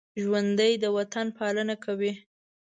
ژوندي د وطن پالنه کوي